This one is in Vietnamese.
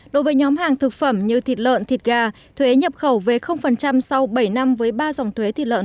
đối với nhóm hàng thực phẩm như thịt lợn thịt gà thuế nhập khẩu về sau bảy năm với ba dòng thuế thịt lợn